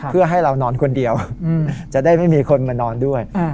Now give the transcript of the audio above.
เพื่อให้เรานอนคนเดียวจะได้ไม่มีคนมานอนด้วย